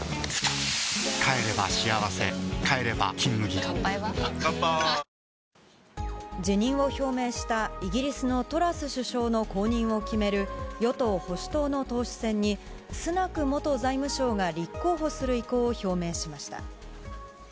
道警と海保は、辞任を表明したイギリスのトラス首相の後任を決める与党・保守党の党首選に、スナク元財務相が立候補する意向を表明しました。